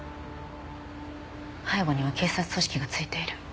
背後には警察組織がついている。